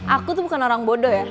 aku tuh bukan orang bodoh ya